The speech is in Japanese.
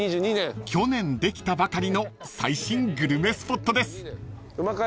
［去年できたばかりの最新グルメスポットです］